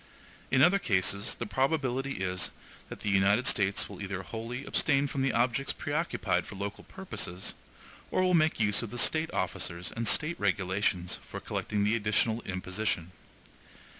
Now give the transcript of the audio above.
In other cases, the probability is that the United States will either wholly abstain from the objects preoccupied for local purposes, or will make use of the State officers and State regulations for collecting the additional imposition.